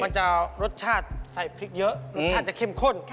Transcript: มันจะรสชาติใส่พริกเยอะรสชาติจะเข้มข้น